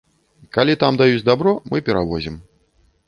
Калі там даюць дабро, мы перавозім.